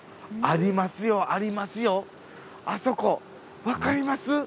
ありますよありますよあそこ分かります？